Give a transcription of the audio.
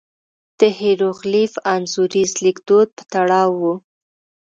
د هېروغلیف انځوریز لیکدود په تړاو وو.